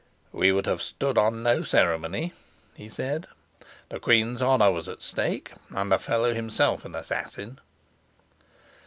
"We would have stood on no ceremony," he said. "The queen's honor was at stake, and the fellow himself an assassin."